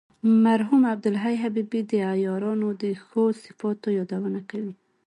مرحوم عبدالحی حبیبي د عیارانو د ښو صفاتو یادونه کوي.